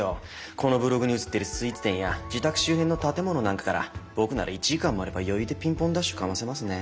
このブログに写ってるスイーツ店や自宅周辺の建物なんかから僕なら１時間もあれば余裕でピンポンダッシュかませますね。